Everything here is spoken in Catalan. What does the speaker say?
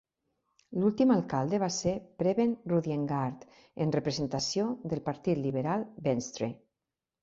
L'últim alcalde va ser Preben Rudiengaard, en representació del partit liberal Venstre.